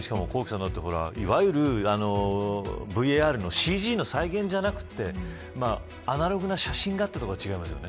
いわゆるＶＡＲのＣＧの再現ではなくアナログな写真だったのが違いますよね。